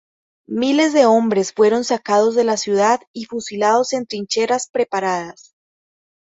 Miles de hombres fueron sacados de la ciudad y fusilados en trincheras preparadas.